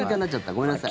ごめんなさい。